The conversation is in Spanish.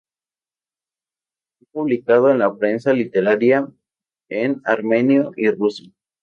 Ha publicado en la prensa literaria en armenio y ruso.